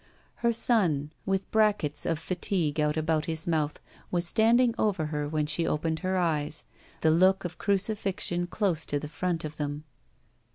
Her son, with brackets of fatigue out about his mouth, was standing over her when she opened her eyes, the look of crucifixion close to the front of them.